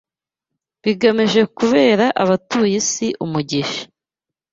bigamije kubera abatuye isi umugisha!